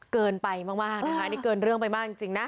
เกินไปมากนะคะอันนี้เกินเรื่องไปมากจริงนะ